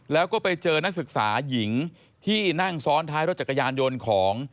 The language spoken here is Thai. แล้วก็ไปเจอนักศึกษาหญิงที่นั่งซ้อนท้ายรถจักรยานยนต์ของ